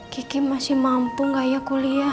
kiki masih mampu gak ya kuliah